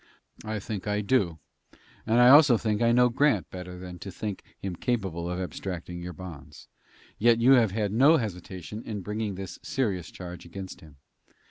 "I think I do, and I also think I know Grant better than to think him capable of abstracting your bonds. Yet you have had no hesitation in bringing this serious charge against him."